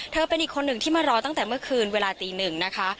เป็นอีกคนหนึ่งที่มารอตั้งแต่เมื่อคืนเวลาตีหนึ่งนะคะ